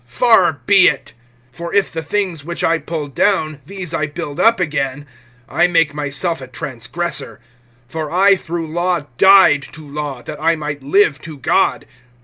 Far be it! (18)For if the things which I pulled down these I build up again, I make myself a transgressor. (19)For I through law died to law, that I might live to God.